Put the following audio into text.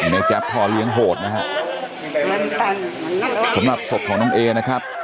แจ๊บพ่อเลี้ยงโหดนะฮะสำหรับศพของน้องเอนะครับ